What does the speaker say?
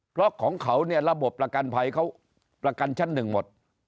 เพราะของเขาเนี่ยระบบประกันภัยเขาประกันชั้นหนึ่งหมด